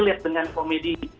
relate dengan komedi